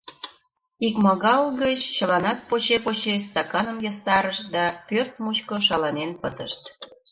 Икмагал гыч чыланат поче-поче стаканым ястарышт да пӧрт мучко шаланен пытышт.